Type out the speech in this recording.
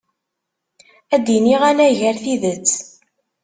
Ad d-iniɣ anagar tidet.